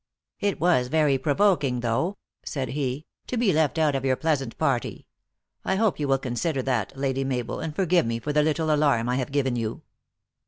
" It was very provoking, though," said he, " to be left out of your pleasant part}^. I hope you will con sider that, Lady Mabel, and forgive me for the little alarm I have given you."